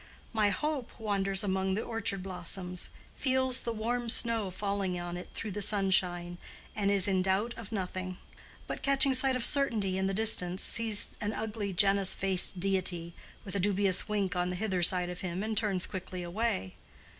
My Hope wanders among the orchard blossoms, feels the warm snow falling on it through the sunshine, and is in doubt of nothing; but, catching sight of Certainty in the distance, sees an ugly Janus faced deity, with a dubious wink on the hither side of him, and turns quickly away.